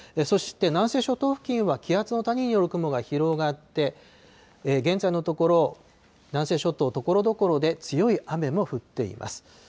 そして南西諸島付近は気圧の谷による雲が広がって、現在のところ、南西諸島、ところどころで強い雨も降っています。